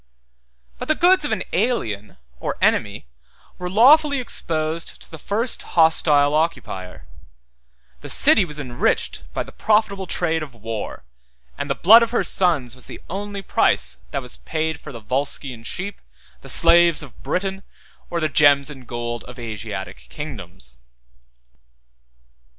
But the goods of an alien or enemy were lawfully exposed to the first hostile occupier; the city was enriched by the profitable trade of war; and the blood of her sons was the only price that was paid for the Volscian sheep, the slaves of Briton, or the gems and gold of Asiatic kingdoms.